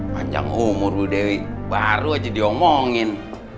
panjang umur bu dewi baru aja diomongin